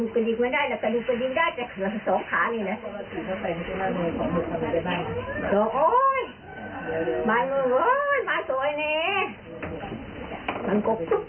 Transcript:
ผมก็หาห้าชายช่วยบ่อน้ำล้าง